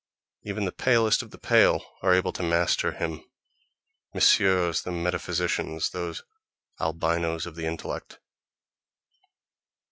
Even the palest of the pale are able to master him—messieurs the metaphysicians, those albinos of the intellect.